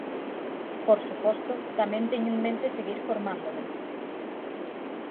Por suposto, tamén teño en mente seguir formándome.